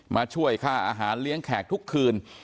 มาช่วยค่าอาหารเลี้ยงแขกทุกคืน